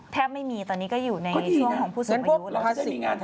แทบไม่มีตอนนี้ก็อยู่ในช่วงของผู้สูงอายุ